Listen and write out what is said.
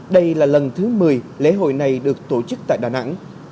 đây là lần thứ một mươi lễ hội này được tổ chức tại đà nẵng